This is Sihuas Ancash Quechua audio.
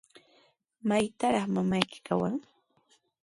¿Maytrawtaq mamayki kawan?